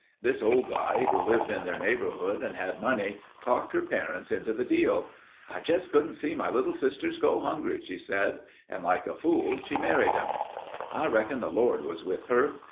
This old guy, who lived in their neighborhood and had money, talked her parents into the deal. 'I just couldn't see my little sisters go hungry,' she said, and like a fool she married him. "I reckon the Lord was with her.